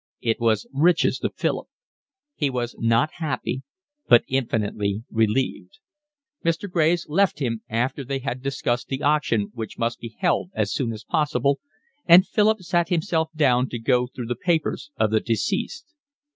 It was riches to Philip. He was not happy but infinitely relieved. Mr. Graves left him, after they had discussed the auction which must be held as soon as possible, and Philip sat himself down to go through the papers of the deceased.